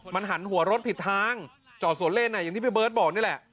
มันหันหัวรถผิดทางจอดสวนเล่นอย่างที่พี่เบิร์ตบอกนี่แหละ